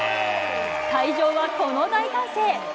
会場はこの大歓声。